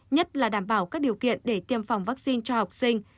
nhất là đảm bảo các điều kiện để tiêm phòng vaccine cho học sinh